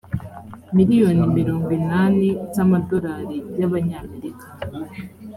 miliyoni mirongo inani z amadolari y abanyamerika